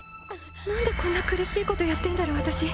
何でこんな苦しいことやってんだろ私。